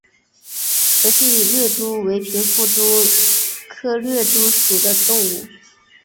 石隙掠蛛为平腹蛛科掠蛛属的动物。